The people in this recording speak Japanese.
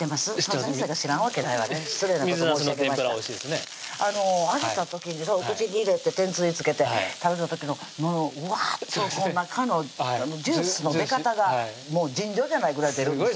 先生が知らんわけないわね失礼なこと申し上げました揚げた時に口に入れて天つゆ付けて食べた時のウワーッと中のジュースの出方が尋常じゃないぐらい出るんです